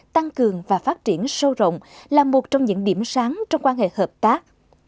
tăng cường và phát triển sâu rộng là một trong những điểm sáng trong quan hệ hợp tác